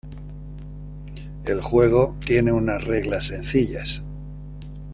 El juego tiene unas reglas sencillas.